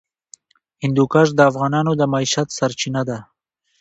هندوکش د افغانانو د معیشت سرچینه ده.